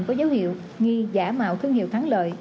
có dấu hiệu nghi giả mạo thương hiệu thắng lợi